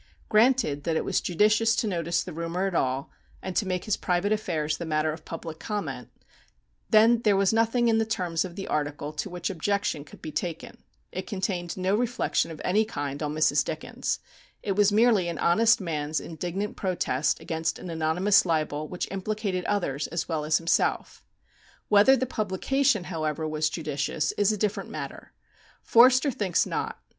Granted that it was judicious to notice the rumour at all, and to make his private affairs the matter of public comment, then there was nothing in the terms of the article to which objection could be taken. It contained no reflection of any kind on Mrs. Dickens. It was merely an honest man's indignant protest against an anonymous libel which implicated others as well as himself. Whether the publication, however, was judicious is a different matter. Forster thinks not.